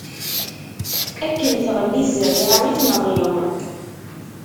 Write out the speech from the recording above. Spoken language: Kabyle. Akken tɣelli zzarriɛa i tmeɣɣi.